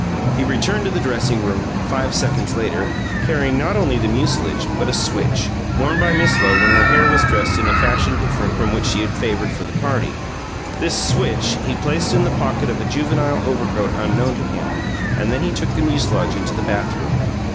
He returned to the dressing room, five seconds later, carrying not only the mucilage but a "switch" worn by Miss Lowe when her hair was dressed in a fashion different from that which she had favoured for the party. This "switch" he placed in the pocket of a juvenile overcoat unknown to him, and then he took the mucilage into the bathroom.